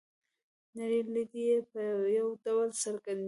نړۍ لید یې په یوه ډول څرګندیږي.